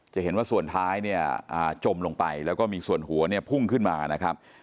จะเห็นว่าส่วนท้ายจมลงไปและมีส่วนหัวพุ่งขึ้นมา